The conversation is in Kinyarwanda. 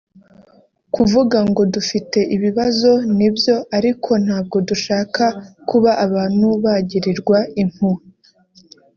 kuvuga ngo dufite ibibazo ni byo ariko ntabwo dushaka kuba abantu bagirirwa impuhwe